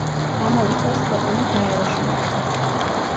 ამავე წელს ქვეყანა გაეროში მიიღეს.